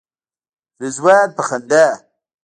رضوان په خندا.